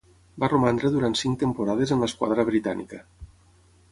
Va romandre durant cinc temporades en l'esquadra britànica.